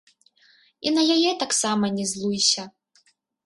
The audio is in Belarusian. І на яе таксама не злуйся.